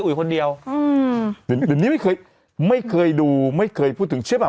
อุ๊ยคนเดียวอืมอืมนี่นี่ไม่เคยไม่เคยดูไม่เคยพูดถึงเชื่อมั้ย